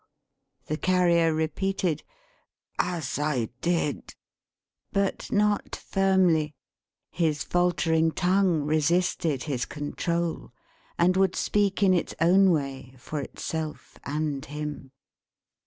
The Carrier repeated "as I did." But not firmly. His faltering tongue resisted his control, and would speak in its own way, for itself and him.